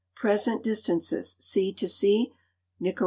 . Present distance, sea to sea miles.